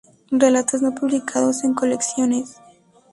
Relatos no publicados en colecciones.